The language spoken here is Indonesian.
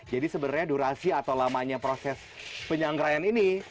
jadi sebenarnya durasi atau lamanya proses penyanggaraan ini